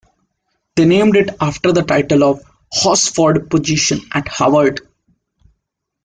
They named it after the title of Horsford's position at Harvard.